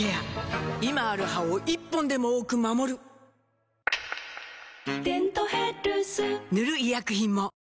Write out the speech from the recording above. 今ある歯を１本でも多く守る「デントヘルス」塗る医薬品も